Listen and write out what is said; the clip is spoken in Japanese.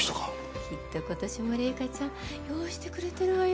きっと今年も零花ちゃん用意してくれてるわよ